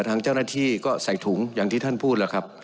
ทางเจ้าหน้าที่ก็ใส่ถุงอย่างที่ท่านพูดแล้วครับ